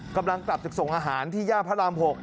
กำลังกลับจากส่งอาหารที่ย่านพระราม๖